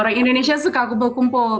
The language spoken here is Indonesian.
orang indonesia suka kumpul kumpul